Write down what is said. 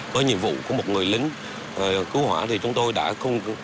với nhiệm vụ của một người lính cứu hỏa thì chúng tôi đã không